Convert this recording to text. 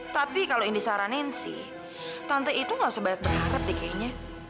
tapi kalau yang disarankan sih tante itu gak usah banyak berharap deh kayaknya